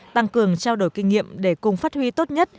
tăng cường trao đổi kinh nghiệm để cùng phát huy tốt nhất